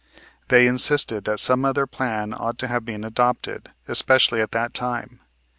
They insisted that some other plan ought to have been adopted, especially at that time.